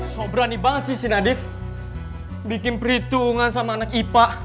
sobrani banget sih si nadif bikin perhitungan sama anak ipa